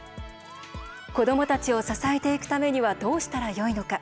子どもたちを支えていくためにはどうしたらよいのか。